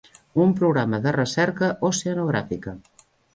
Un programa de recerca oceanogràfica.